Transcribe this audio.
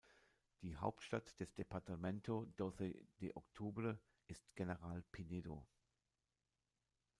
Die Hauptstadt des Departamento Doce de Octubre ist General Pinedo.